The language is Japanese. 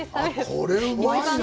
これ、うまいなあ。